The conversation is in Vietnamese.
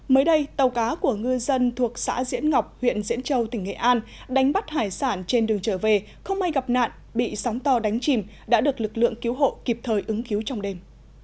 mới đây tàu cá của ngư dân thuộc xã diễn ngọc huyện diễn châu tỉnh nghệ an đánh bắt hải sản trên đường trở về không may gặp nạn bị sóng to đánh chìm đã được lực lượng cứu hộ kịp thời ứng cứu trong đêm